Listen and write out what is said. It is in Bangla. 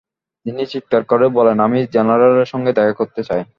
তিনি চিৎকার করে বলেন আমি জেনারেলের সঙ্গে দেখা করতে চাই।